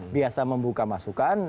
biasa membuka masukan